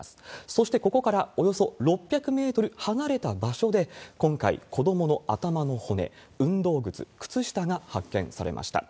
そしてここからおよそ６００メートル離れた場所で、今回、子どもの頭の骨、運動靴、靴下が発見されました。